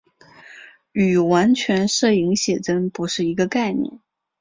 与完全摄影写真的不是一个概念。